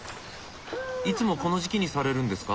いつもこの時期にされるんですか？